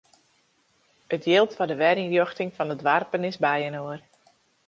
It jild foar de werynrjochting fan de doarpen is byinoar.